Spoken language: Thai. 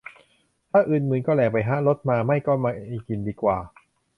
ถ้าอึนมึนคือแรงไปฮะ ลดมา ไม่ก็ไม่กินดีกว่า